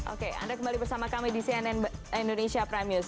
oke anda kembali bersama kami di cnn indonesia prime news